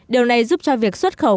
điều này giúp cho việc xuất khẩu